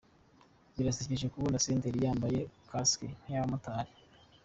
Birasekeje kubona Senderi yambaye casquet nk’iy’abamotari.